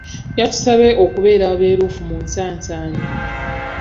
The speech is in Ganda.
Yatusabye okubeera abeerufu mu nsaansaanya.